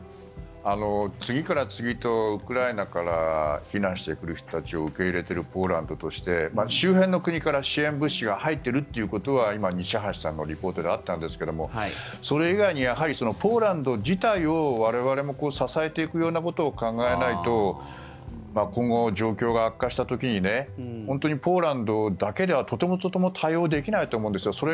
次から次へとウクライナから避難している方たちを受け入れているポーランドとして周辺の国から支援物資が入ってるということは今、西橋さんのリポートであったんですがそれ以外にポーランド自体を我々も支えていくようなことを考えないと今後、状況が悪化した時に本当にポーランドだけではとてもとても対応できないと思うんですよ。